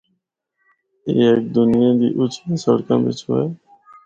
اے ہک دنیا دی اُچیاں سڑکاں بچو ہو۔